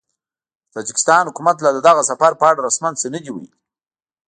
د تاجکستان حکومت لا د دغه سفر په اړه رسماً څه نه دي ویلي